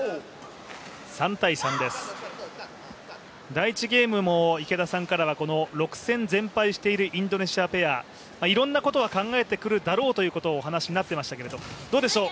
第１ゲームも池田さんからは６戦全敗しているインドネシアペア、いろんなことを考えてくるだろうとお話になっていましたけれどもどうでしょう。